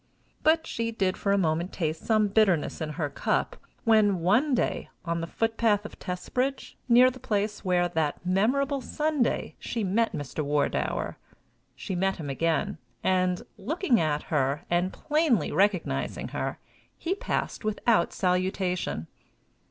But she did for a moment taste some bitterness in her cup, when, one day, on the footpath of Testbridge, near the place where, that memorable Sunday, she met Mr. Wardour, she met him again, and, looking at her, and plainly recognizing her, he passed without salutation.